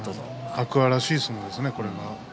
天空海らしい相撲ですね。